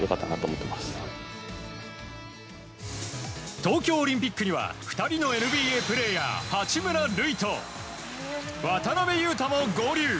東京オリンピックには２人のＮＢＡプレーヤー八村塁と渡邉雄大も合流。